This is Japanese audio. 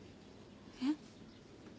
えっ？